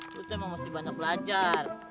kita emang mesti banyak belajar